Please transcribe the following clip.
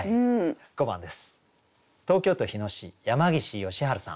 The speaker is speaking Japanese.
５番です。